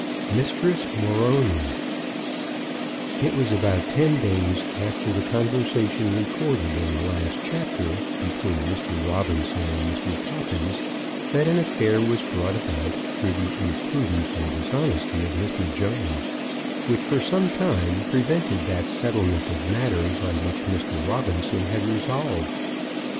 MISTRESS MORONY. It was about ten days after the conversation recorded in the last chapter between Mr. Robinson and Mr. Poppins that an affair was brought about through the imprudence and dishonesty of Mr. Jones, which for some time prevented that settlement of matters on which Mr. Robinson had resolved.